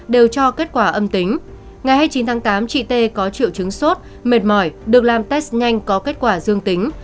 đều cho kết quả âm tính ngày hai mươi chín tháng tám chị t có triệu chứng sốt mệt mỏi được làm test nhanh có kết quả dương tính